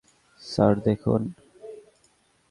Sir, দেখুন!